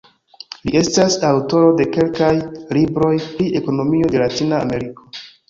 Li estas aŭtoro de kelkaj libroj pri ekonomio de Latina Ameriko.